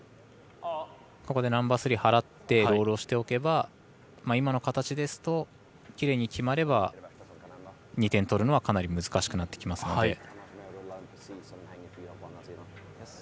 ここでナンバースリー払ってロールをしておけば今の形ですときれいに決まれば、２点取るのはかなり難しくなってきますので。